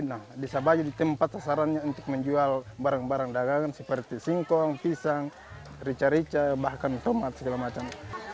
nah bisa baja di tempat sasarannya untuk menjual barang barang dagangan seperti singkong pisang rica rica bahkan tomat segala macam